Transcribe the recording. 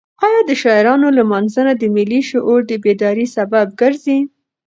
ایا د شاعرانو لمانځنه د ملي شعور د بیدارۍ سبب ګرځي؟